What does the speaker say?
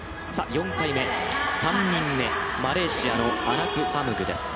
４回目、３人目マレーシアのアナクパムグです。